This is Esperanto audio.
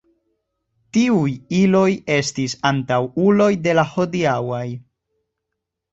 Tiuj iloj estis antaŭuloj de la hodiaŭaj.